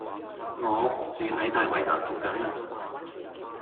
我住喺大圍站附近